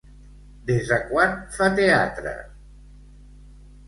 Des de quan fa teatre?